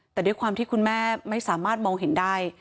แต่ด้วยความที่คุณแม่ไม่สามารถมองเห็นได้